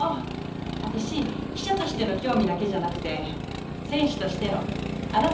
私記者としての興味だけじゃなくて選手としてのあなたのファンなのよ。